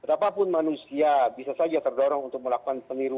apapun manusia bisa saja terdorong untuk melakukan peniruan